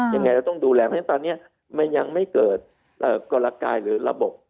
ยังไงเราต้องดูแลเพราะฉะนั้นตอนนี้มันยังไม่เกิดกลกายหรือระบบ